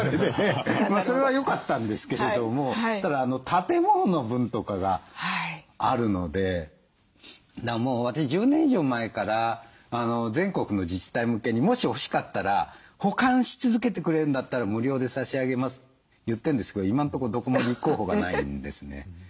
まあそれはよかったんですけれどもただ建物の分とかがあるのでもう私１０年以上前から全国の自治体向けに「もし欲しかったら保管し続けてくれるんだったら無料で差し上げます」って言ってんですけど今んとこどこも立候補がないんですね。